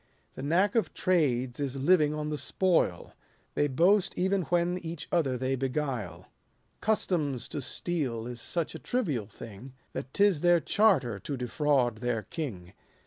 The knack of trades is living on the spoil ; They boast even when each other they beguile. Customs to steal is such a trivial thing, That 'tis their charter to defraud their king.